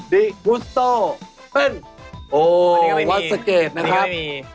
ดินูสโตเป็นโอ้วัดสะเกจนะครับ